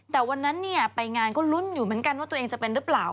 แต่วันนั้นไปงานก็ลุ้นอยู่เหมือนกันว่าตัวเองจะเป็นหรือเปล่า